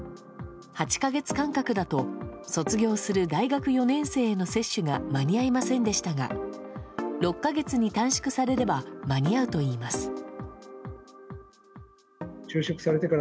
８か月間隔だと卒業する大学４年生への接種が間に合いませんでしたが６か月に短縮されれば間に合うといいます。